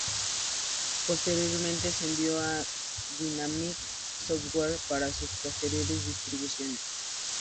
Posteriormente se envió a Dinamic Software para su posterior distribución.